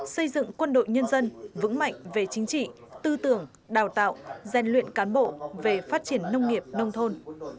xây dựng quân đội nhân dân vững mạnh về chính trị tư tưởng đào tạo gian luyện cán bộ về phát triển nông nghiệp nông thôn